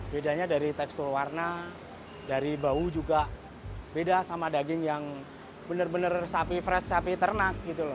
bedanya dari tekstur warna dari bau juga beda sama daging yang benar benar sapi fresh sapi ternak gitu loh